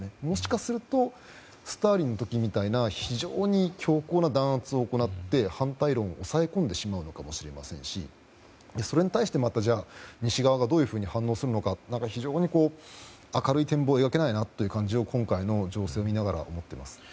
もしかするとスターリンの時みたいな非常に強硬な弾圧を行って反対論を抑え込んでしまうかもしれないしそれに対して、西側がどういうふうに反応するのかまだ明るい展望を描けないなというのを今回の情勢を見ながら思っています。